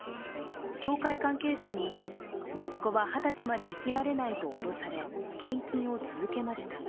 教会関係者に、息子は二十歳まで生きられないと脅され献金を続けましたが